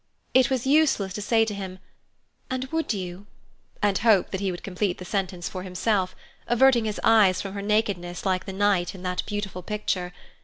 It was useless to say to him, "And would you—" and hope that he would complete the sentence for himself, averting his eyes from her nakedness like the knight in that beautiful picture.